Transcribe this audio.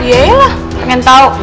iya iya pengen tau